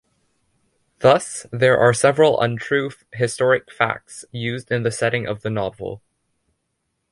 Thus, there are several untrue historic "facts" used in setting of the novel.